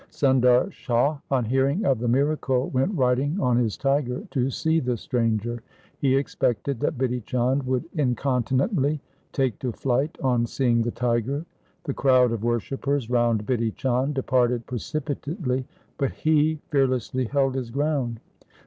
Sundar Shah on hearing of the miracle went riding on his tiger to see the stranger. He expected that Bidhi Chand would incontinently take to flight on seeing the tiger. The crowd of worshippers round Bidhi Chand departed precipitately, but he fearlessly held his ground.